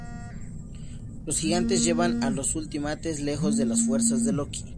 Los Gigantes llevan a los Ultimates lejos de las fuerzas de Loki.